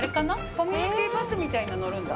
コミュニティーバスみたいの乗るんだ。